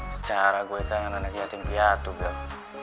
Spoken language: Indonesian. secara gue jangan anak anak jatuh nkiat tuh bel